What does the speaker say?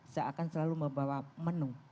saya akan selalu membawa menu